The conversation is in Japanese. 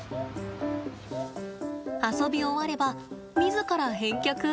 遊び終われば、自ら返却。